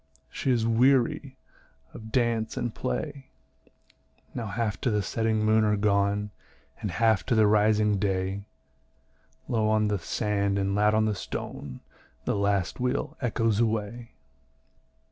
She is weary of dance and play." Now half to the setting moon are gone, And half to the rising day; Low on the sand and loud on the stone The last wheel echoes away.